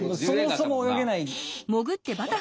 そもそも泳げない。